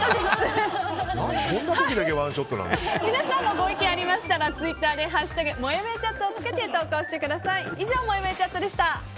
皆さんもご意見ありましたらツイッターで「＃もやもやチャット」をつけて投稿してください。